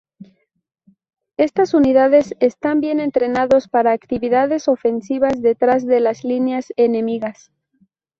Estas unidades están bien entrenados para actividades ofensivas detrás de las líneas enemigas.